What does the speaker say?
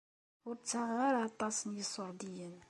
Ur ttaɣeɣ ara aṭas n yiṣurdiyen.